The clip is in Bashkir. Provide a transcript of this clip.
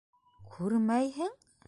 — Күрмәйһе-ең?